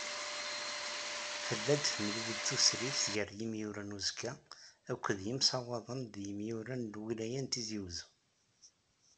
Tella-d temlilit tusridt gar yimura n uzekka akked yimaswaḍen d yimura n lwilaya n Tizi Uzzu.